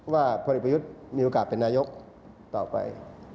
พลเอกประยุทธ์มีโอกาสเป็นนายกต่อไป